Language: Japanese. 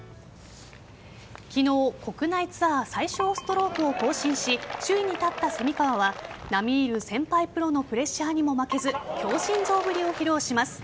昨日、国内ツアー最少ストロークを更新し首位に立った蝉川は並み居る先輩プロのプレッシャーにも負けず強心臓ぶりを披露します。